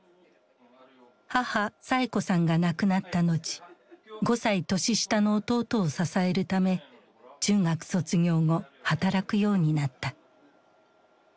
母・サエ子さんが亡くなった後５歳年下の弟を支えるため中学卒業後働くようになった。